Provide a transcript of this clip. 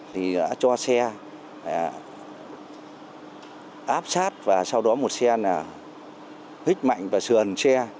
thì đã cho xe áp sát và sau đó một xe hích mạnh và sườn xe